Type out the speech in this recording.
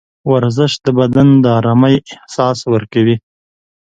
ورزش د بدن د ارامۍ احساس ورکوي.